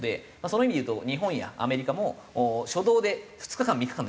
その意味でいうと日本やアメリカも初動で２日間３日間の猶予を作らないと。